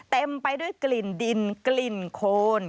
เต็มไปด้วยกลิ่นดินกลิ่นโคน